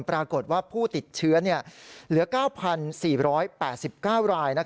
ปรากฏว่าผู้ติดเชื้อเหลือ๙๔๘๙ราย